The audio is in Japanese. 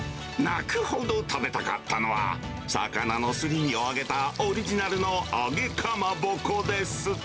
泣くほど食べたかったのは、魚のすり身を揚げた、オリジナルの揚げかまぼこです。